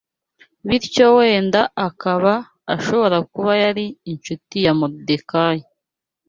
bityo wenda akaba ashobora kuba yari incuti ya Moridekayi